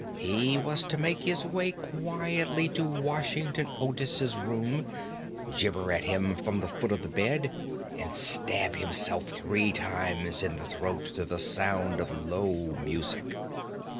He was to make his way quietly to Washington Otis's room, gibber at him from the foot of the bed, and stab himself three times in the throat to the sound of low music.